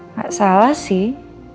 nggak salah sih